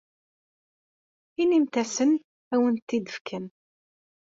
Inimt-asen ad awent-tent-id-fken.